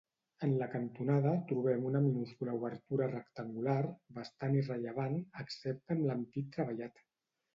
En la cantonada, trobem una minúscula obertura rectangular, bastant irrellevant, excepte per l'ampit treballat.